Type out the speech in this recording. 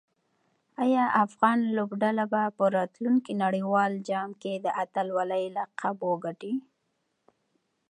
آیا افغان لوبډله به په راتلونکي نړیوال جام کې د اتلولۍ لقب وګټي؟